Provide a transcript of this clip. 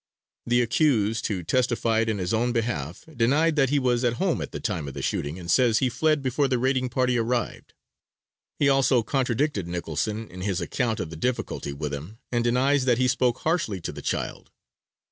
The accused who testified in his own behalf, denied that he was at home at the time of the shooting, and says he fled before the raiding party arrived. He also contradicted Nicholson in his account of the difficulty with him, and denies that he spoke harshly to the child."